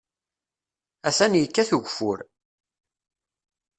Atan yekkat ugeffur.